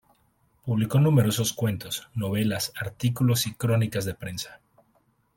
Publicó numerosos cuentos, novelas, artículos y crónicas de prensa.